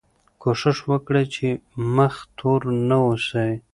کوښښ وکړئ چې مخ تور نه اوسئ.